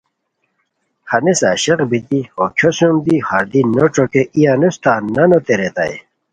ہنیسے عاشق بیتی ہو کھیو سوم دی ہردی نو ݯوکی ای انوس تان نانوتے ریتائے